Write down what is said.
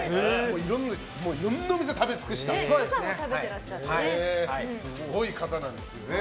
いろんな店を食べ尽くしたすごい方なんですよね。